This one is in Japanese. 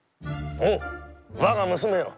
おうわが娘よ。